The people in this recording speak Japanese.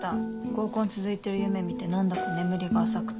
合コン続いてる夢見て何だか眠りが浅くて。